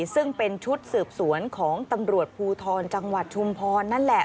ซึ่งเป็นชุดสืบสวนของตำรวจภูทรจังหวัดชุมพรนั่นแหละ